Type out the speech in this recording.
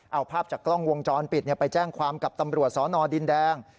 เอาภาพจากกล้องวงจรปิดไปแจ้งความกับตำรวจสนดินแดง